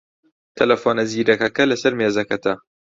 تەلەفۆنە زیرەکەکە لەسەر مێزەکەتە.